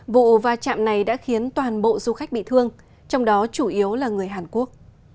vụ va chạm này đã khiến toàn bộ du khách bị thương trong đó chủ yếu là người hàn quốc